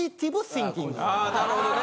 あなるほどね。